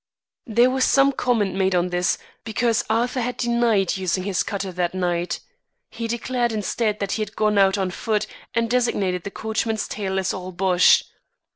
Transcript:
There was some comment made on this, because Arthur had denied using his cutter that night. He declared instead that he had gone out on foot and designated the coachman's tale as all bosh.